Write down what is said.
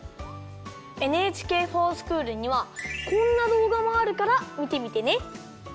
ＮＨＫｆｏｒＳｃｈｏｏｌにはこんなどうがもあるからみてみてね。